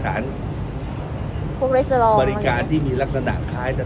การประชุมเมื่อวานมีข้อกำชับหรือข้อกำชับอะไรเป็นพิเศษ